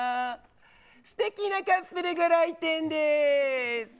すてきなカップルご来店です。